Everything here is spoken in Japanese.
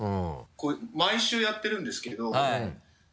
毎週やってるんですけど。